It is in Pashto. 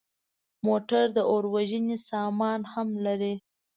موټر د اور وژنې سامان هم لري.